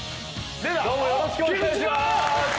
どうもよろしくお願いしまーす。